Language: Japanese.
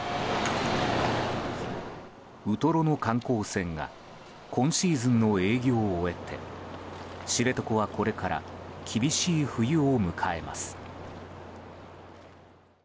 ウトロの観光船が今シーズンの営業を終えて知床はこれから厳しい冬を迎えます。